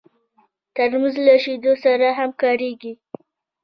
ترموز له شیدو سره هم کارېږي.